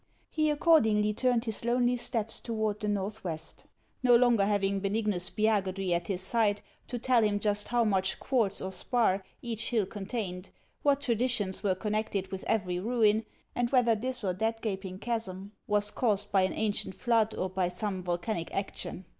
He accordingly turned his lonely steps toward the northwest, no longer having Benignus Spiagudry at his side to tell him just how much quartz or spar each hill contained, what traditions were connected with every ruin, and whether this or that gaping chasm was caused by an ancient flood or by some volcanic action.